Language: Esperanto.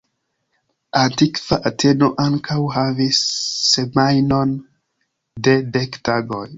Antikva Ateno ankaŭ havis semajnon de dek tagoj.